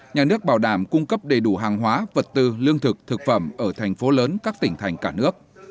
nhà nước bảo đảm cung cấp đầy đủ hàng hóa vật tư lương thực thực phẩm ở thành phố lớn các tỉnh thành cả nước